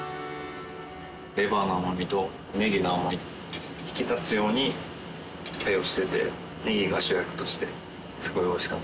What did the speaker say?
レバーの甘みとネギの甘み引き立つように対応しててネギが主役としてすごい美味しかったです。